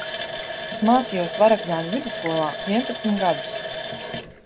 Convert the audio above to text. Es mācījos Varakļānu vidusskolā vienpadsmit gadus.